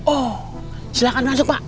oh silakan masuk pak